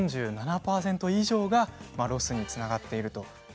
４７％以上がロスにつながっています。